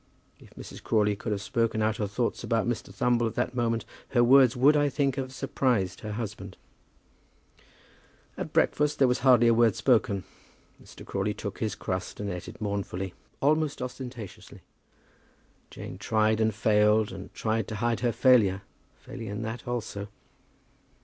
If Mrs. Crawley could have spoken out her thoughts about Mr. Thumble at that moment, her words would, I think, have surprised her husband. At breakfast there was hardly a word spoken. Mr. Crawley took his crust and eat it mournfully, almost ostentatiously. Jane tried and failed, and tried to hide her failure, failing in that also.